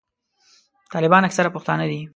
طالبان اکثره پښتانه دي.